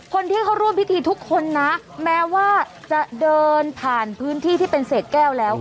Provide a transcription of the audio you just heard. คนที่เขาร่วมพิธีทุกคนนะแม้ว่าจะเดินผ่านพื้นที่ที่เป็นเศษแก้วแล้ว